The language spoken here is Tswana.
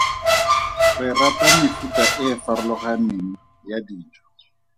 Re rata mefuta e e farologaneng ya dijo.